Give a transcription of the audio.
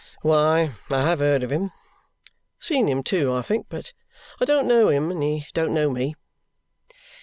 "Why, I have heard of him seen him too, I think. But I don't know him, and he don't know me."